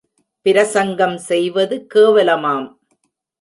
பிரசங்கம் செய்வது கேவலமாம்.